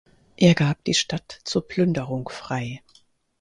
Er gab die Stadt zur Plünderung frei.